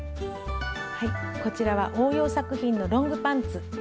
こちらは応用作品のロングパンツ。